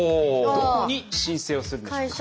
どこに申請をするんでしょうか？